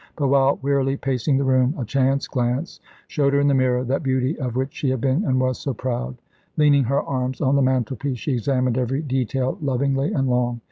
But while wearily pacing the room a chance glance showed her in the mirror that beauty of which she had been, and was, so proud. Leaning her arms on the mantelpiece, she examined every detail lovingly and long.